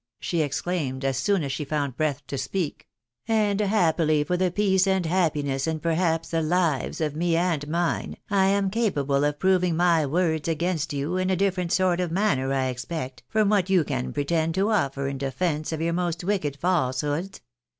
" she exclaimed, as soon as she found breath to speak ;" and happily for the peace and happiness, and perhaps the lives of me and mine, I am capable of proving my words against you, in a different sort of manner, I expect, from what you can pretend to oifcr in defence of your most wicked false hoods.